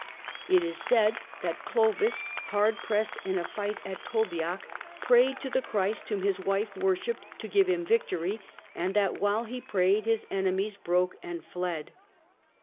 It is said that Clovis, hard pressed in a fight at Tolbiac, prayed to the Christ whom his wife worshipped to give him victory, and that while he prayed his enemies broke and fled.